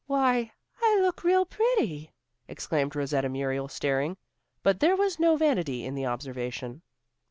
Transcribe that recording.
"Why, I look real pretty!" exclaimed Rosetta Muriel staring, but there was no vanity in the observation.